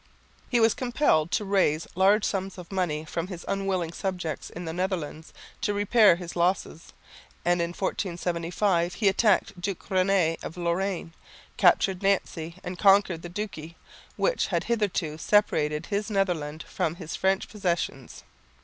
He was compelled to raise large sums of money from his unwilling subjects in the Netherlands to repair his losses, and in 1475 he attacked Duke Réné of Lorraine, captured Nancy and conquered the duchy, which had hitherto separated his Netherland from his French possessions.